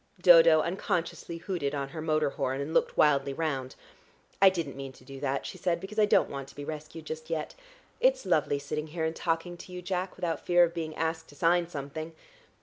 Dodo unconsciously hooted on her motor horn, and looked wildly round. "I didn't mean to do that," she said, "because I don't want to be rescued just yet. It's lovely sitting here and talking to you, Jack, without fear of being asked to sign something.